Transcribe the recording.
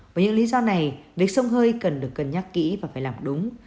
với những lý do này lịch sông hơi cần được cân nhắc kỹ và phải làm đúng